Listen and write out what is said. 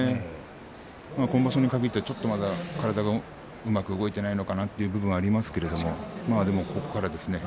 今場所に限ってはまだちょっと体がうまく動いていないのかなという部分がありますけれどもまあ、でもここからですね。